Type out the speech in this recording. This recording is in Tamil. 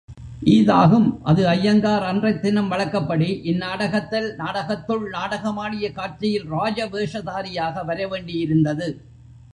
ஈதாகும் அது ஐயங்கார் அன்றைத் தினம் வழக்கப்படி, இந் நாடகத்தில், நாடகத்துள் நாடகமாடிய காட்சியில், ராஜவேஷதாரியாக வரவேண்டியிருந்தது.